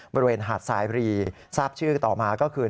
บริเวณหาดสายบรีทราบชื่อต่อมาก็คือ